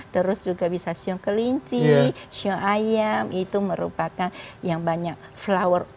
terus juga bisa sio kelinci sio ayam itu merupakan yang banyak flower